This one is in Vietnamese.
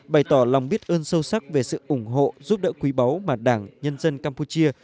bày tỏ lòng biết ơn sâu sắc về sự ủng hộ giúp đỡ quý báu mà đảng nhân dân campuchia